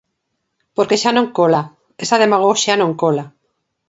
Porque xa non cola, esa demagoxia non cola.